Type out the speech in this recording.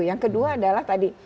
yang kedua adalah tadi